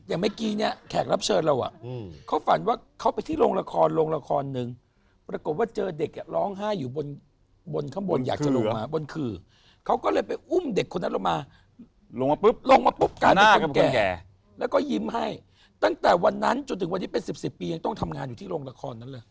อย่างเมื่อกี้เนี่ยแขกรับเชิญเราอ่ะเขาฝันว่าเขาไปที่โรงละครโรงละครนึงปรากฏว่าเจอเด็กร้องไห้อยู่บนข้างบนอยากจะลงมาบนขื่อเขาก็เลยไปอุ้มเด็กคนนั้นลงมาลงมาปุ๊บลงมาปุ๊บกลายเป็นคนแก่แล้วก็ยิ้มให้ตั้งแต่วันนั้นจนถึงวันนี้เป็น๑๐ปียังต้องทำงานอยู่ที่โรงละครนั้นเลย